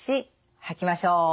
吐きましょう。